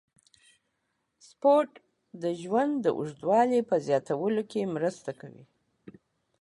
سپورت د ژوند د اوږدوالي په زیاتولو کې مرسته کوي.